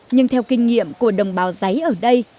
nhưng theo kinh nghiệm của đồng bào giấy ở đây